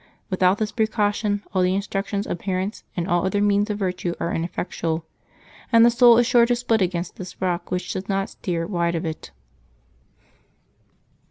Without this precaution all the instructions of parents and all other means of virtue are ineffectual; and the soul is sure to split against this rock which does not steer wide of it.